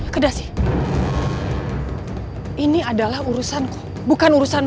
kedasi ini adalah urusanku bukan urusanmu